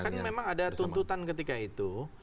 kan memang ada tuntutan ketika itu